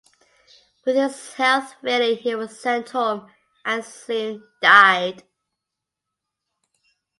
With his health failing he was sent home and soon died.